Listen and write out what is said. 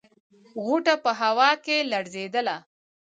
غوټه په هوا کې لړزېدله.